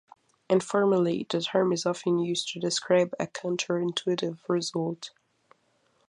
Informally, the term is often used to describe a counter-intuitive result.